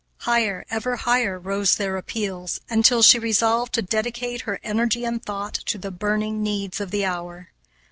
Higher, ever higher, rose their appeals, until she resolved to dedicate her energy and thought to the burning needs of the hour.